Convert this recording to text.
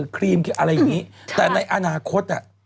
ครีมอะไรอย่างนี้แต่ในอนาคต